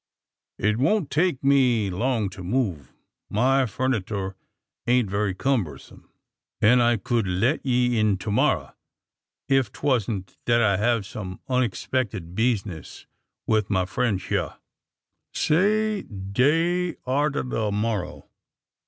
"It won't take me long to move. My furniter ain't very cumbersome; an' I kud let ye in to morrow, ef 't wan't that I hev some unexpected bizness with my friend hyur. Say day arter the morrow?